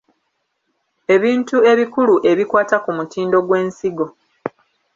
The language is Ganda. Ebintu ebikulu ebikwata ku mutindo gw’ensigo.